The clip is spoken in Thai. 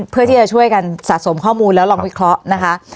เพื่อที่จะช่วยกันสะสมข้อมูลแล้วลองวิเคราะห์นะคะ